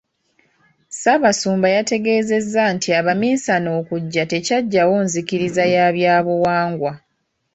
Ssaabasumba yategeezezza nti abaminsane okujja tekyaggyawo nzikiriza ya byabuwangwa.